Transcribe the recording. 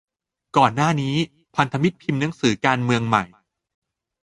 ก่อนหน้านี้ พันธมิตรพิมพ์หนังสือ 'การเมืองใหม่